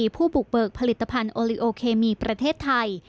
ผู้บุกเบิกผลิตภัณฑ์โอลิโอเคมีประเทศไทย